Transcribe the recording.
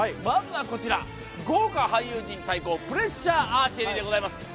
まずはこちら豪華俳優陣アーチェリー対決でございます。